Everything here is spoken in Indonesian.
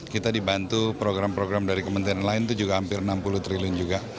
kita dibantu program program dari kementerian lain itu juga hampir enam puluh triliun juga